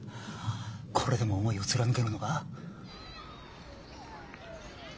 これでも思いを貫けるのか？